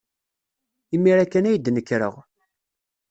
Imir-a kan ay d-nekreɣ.